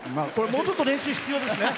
もうちょっと練習必要ですね。